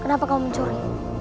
kenapa kamu mencuri